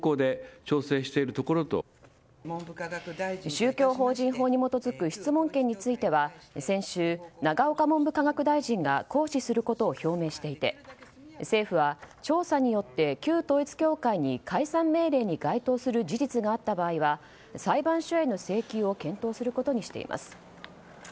宗教法人法に基づく質問権については先週、永岡文部科学大臣が行使することを表明していて政府は調査によって旧統一教会に解散命令に該当する事実があった場合は裁判所への請求を検討することにしています。